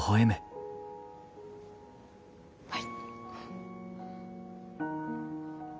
はい。